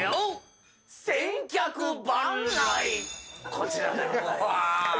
こちらでございます。